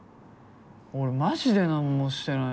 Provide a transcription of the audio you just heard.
俺マジで何もしてないのに。